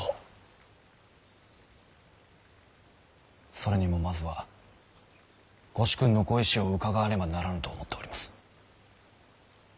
それにもまずはご主君のご意志を伺わねばならぬと思っております。